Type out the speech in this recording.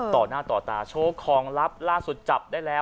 ต่อหน้าต่อตาโชว์ของลับล่าสุดจับได้แล้ว